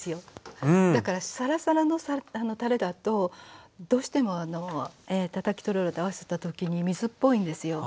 だからサラサラのたれだとどうしてもたたきとろろと合わせたときに水っぽいんですよ。